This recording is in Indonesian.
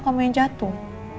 kalau main jatuh